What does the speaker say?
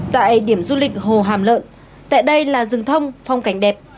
tại điểm du lịch hồ hàm lợn tại đây là rừng thông phong cảnh đẹp